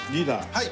はい！